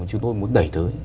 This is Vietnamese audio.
chúng tôi muốn đẩy tới